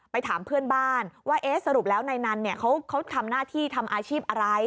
ถามเพื่อนบ้านว่าเอ๊ะสรุปแล้วนายนันเนี่ยเขาทำหน้าที่ทำอาชีพอะไร